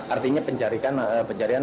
artinya pencarian dilakukan lagi